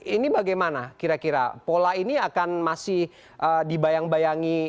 ini bagaimana kira kira pola ini akan masih dibayang bayangi